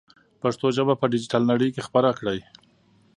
پښتو ژبه په ډیجیټل نړۍ کې خپره کړئ.